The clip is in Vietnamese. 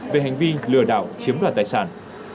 về hành vi lừa đảo chiếm đoạt tài sản